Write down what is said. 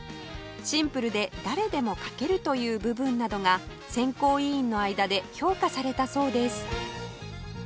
シンプルで誰でも描けるという部分などが選考委員の間で評価されたそうです